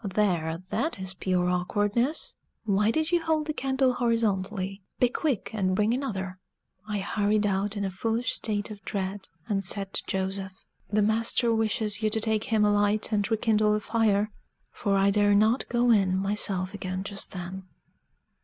"There, that is pure awkwardness! Why did you hold the candle horizontally? Be quick, and bring another." I hurried out in a foolish state of dread, and said to Joseph, "The master wishes you to take him a light and rekindle the fire." For I dare not go in myself again just then.